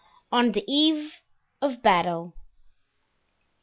On the Eve of Battle.